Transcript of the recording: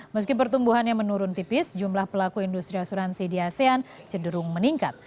meski pertumbuhannya menurun tipis jumlah pelaku industri asuransi di asean cenderung meningkat